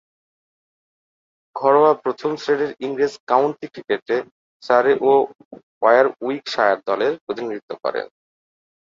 ঘরোয়া প্রথম-শ্রেণীর ইংরেজ কাউন্টি ক্রিকেটে সারে ও ওয়ারউইকশায়ার দলের প্রতিনিধিত্ব করেন।